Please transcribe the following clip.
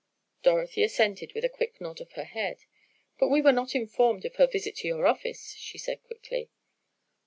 Dorothy assented with a quick nod of her head. "But we were not informed of her visit to your office," she said quickly.